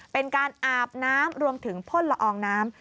เป็นการอาบน้ำรวมถึงพ่นละอองน้ำ